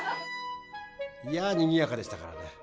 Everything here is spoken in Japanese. いやにぎやかでしたからね。